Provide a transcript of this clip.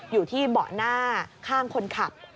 อยู่ที่เบาะหน้าข้างคนขับ